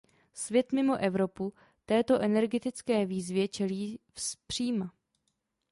Svět mimo Evropu této energetické výzvě čelí zpříma.